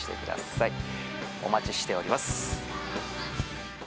お待ちしております。